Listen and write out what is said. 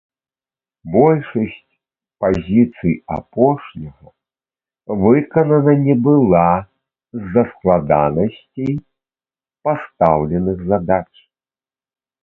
Большасць пазіцый апошняга выканана не была з-за складанасцей пастаўленых задач.